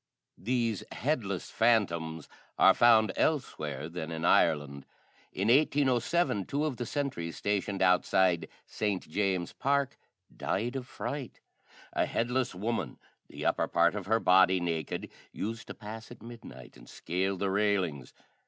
These headless phantoms are found elsewhere than in Ireland. In 1807 two of the sentries stationed outside St. James's Park died of fright. A headless woman, the upper part of her body naked, used to pass at midnight and scale the railings.